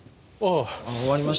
あの終わりました。